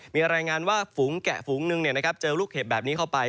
มีรายงานว่าฝูงแกะฝูงนึงเจอลูกเห็บแบบนี้เข้าไป